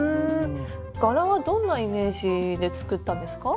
柄はどんなイメージで作ったんですか？